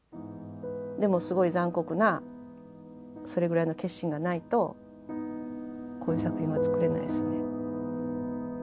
でもすごい残酷なそれぐらいの決心がないとこういう作品は作れないですよね。